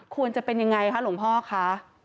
ควรจะเป็นยังไงคะหลวงพ่อคะ